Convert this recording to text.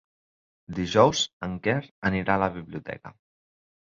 Dijous en Quer anirà a la biblioteca.